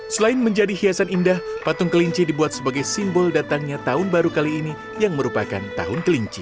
selain menjadi hiasan indah patung kelinci dibuat sebagai simbol datangnya tahun baru kali ini yang merupakan tahun kelinci